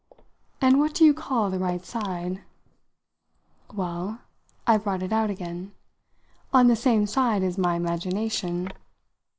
"And what do you call the right side?" "Well" I brought it out again "on the same side as my imagination."